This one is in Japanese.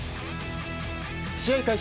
試合開始